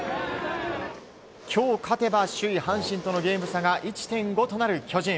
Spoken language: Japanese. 今日勝てば、首位、阪神とのゲーム差が１．５となる巨人。